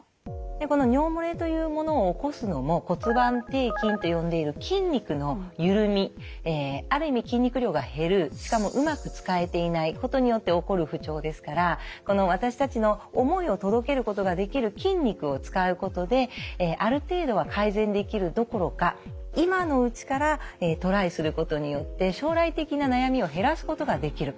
この尿もれというものを起こすのも骨盤底筋と呼んでいる筋肉の緩みある意味筋肉量が減るしかもうまく使えていないことによって起こる不調ですから私たちの思いを届けることができる筋肉を使うことである程度は改善できるどころか今のうちからトライすることによって将来的な悩みを減らすことができる。